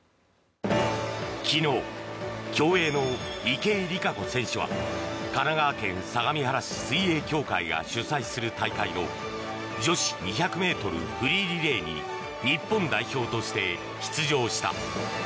昨日、競泳の池江璃花子選手は神奈川県相模原市水泳協会が主催する大会の女子２００ｍフリーリレーに日本代表として出場した。